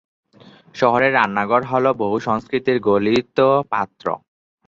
শহরের রান্নাঘর হ'ল বহু সংস্কৃতির গলিত পাত্র।